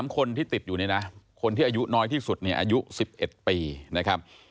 คนที่ติดอยู่นี่นะคนที่อายุน้อยที่สุดเนี่ยอายุ๑๑ปีนะครับ